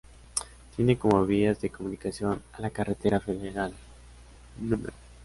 Tiene como vías de comunicación a la carretera federal No.